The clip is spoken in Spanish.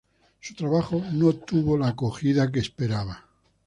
Su trabajo no tuvo la acogida que esperaba.